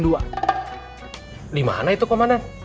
di mana itu komandan